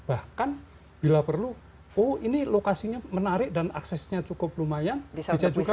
bahkan bila perlu oh ini lokasinya menarik dan aksesnya cukup lumayan bisa juga